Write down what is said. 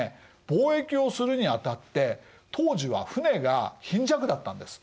貿易をするにあたって当時は船が貧弱だったんです。